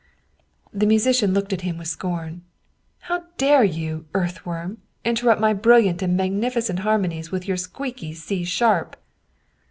The musician looked at him with scorn. " How dare you, earthworm, interrupt my brilliant and magnificent harmonies with your squeaky C sharp?"